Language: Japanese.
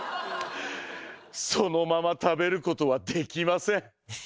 そのまま食べることはできません。